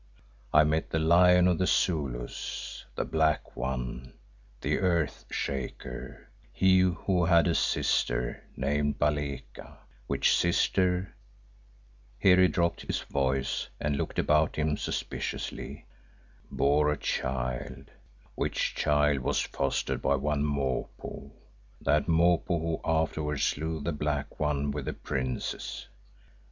I met the Lion of the Zulus, the Black One, the Earth Shaker, he who had a 'sister' named Baleka, which sister," here he dropped his voice and looked about him suspiciously, "bore a child, which child was fostered by one Mopo, that Mopo who afterwards slew the Black one with the Princes.